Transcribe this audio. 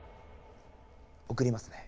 送りますね。